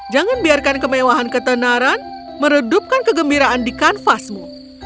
jangan biarkan kemewahan ketenaran meredupkan kegembiraan di kanvasmu